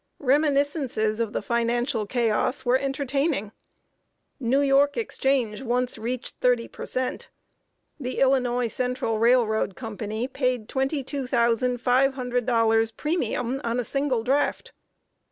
Reminiscences of the financial chaos were entertaining. New York exchange once reached thirty per cent. The Illinois Central Railroad Company paid twenty two thousand five hundred dollars premium on a single draft.